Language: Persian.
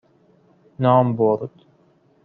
نام برد